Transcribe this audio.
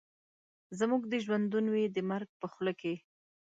زموږ دي ژوندون وي د مرګ په خوله کي